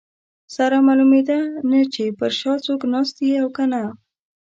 سره معلومېده نه چې پر شا څوک ناست دي او که نه.